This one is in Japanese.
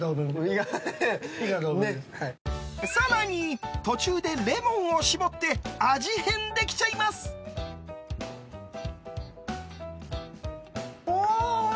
更に、途中でレモンを搾って味変できちゃいます。おお！